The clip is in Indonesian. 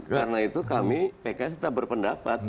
karena itu kami pks kita berpendapat